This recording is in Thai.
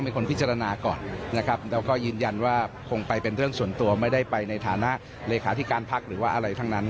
ไม่ได้ไปเป็นเรื่องส่วนตัวไม่ได้ไปในฐานะเลขาที่การพักหรือว่าอะไรทั้งนั้น